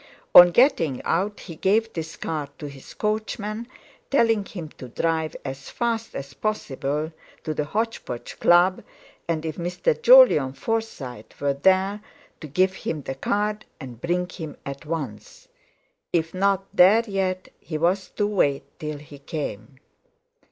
On getting out he gave this card to his coachman, telling him to drive—as fast as possible to the Hotch Potch Club, and if Mr. Jolyon Forsyte were there to give him the card and bring him at once. If not there yet, he was to wait till he came.